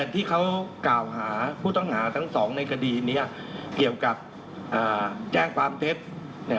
ที่เขากล่าวหาผู้ต้องหาทั้งสองในคดีนี้เกี่ยวกับแจ้งความเท็จ